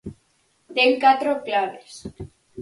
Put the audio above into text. Ten catro claves.